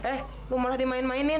eh gue malah dimain mainin